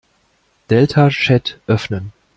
Deltachat öffnen.